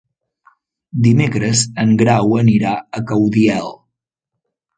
Dimecres en Grau anirà a Caudiel.